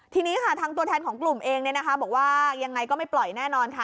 ทีนี้ค่ะทางตัวแทนของกลุ่มเองบอกว่ายังไงก็ไม่ปล่อยแน่นอนค่ะ